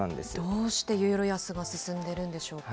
どうしてユーロ安が進んでるんでしょうか。